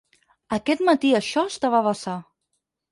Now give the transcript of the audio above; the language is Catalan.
Aquest matí això estava a vessar.